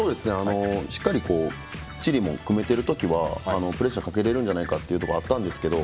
しっかりチリも組めてるときはプレッシャーかけれるんじゃないかというところがあったんですけど